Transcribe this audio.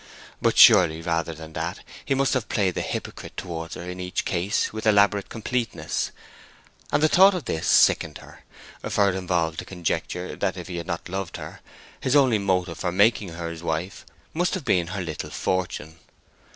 But surely, rather than that, he must have played the hypocrite towards her in each case with elaborate completeness; and the thought of this sickened her, for it involved the conjecture that if he had not loved her, his only motive for making her his wife must have been her little fortune.